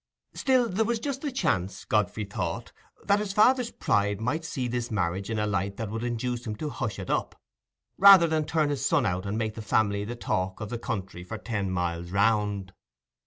Still there was just the chance, Godfrey thought, that his father's pride might see this marriage in a light that would induce him to hush it up, rather than turn his son out and make the family the talk of the country for ten miles round.